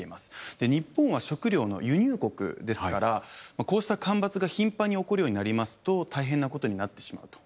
日本は食料の輸入国ですからこうした干ばつが頻繁に起こるようになりますと大変なことになってしまうと。